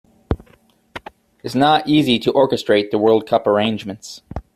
It is not easy to orchestrate the world cup arrangements.